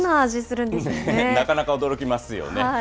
なかなか驚きますよね。